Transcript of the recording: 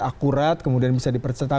akurat kemudian bisa ditanggung jawabkan